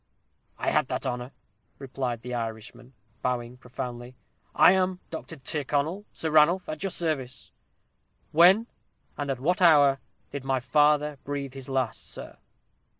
"I had that honor," replied the Irishman, bowing profoundly "I am Dr. Tyrconnel, Sir Ranulph, at your service." "When, and at what hour, did my father breathe his last, sir?"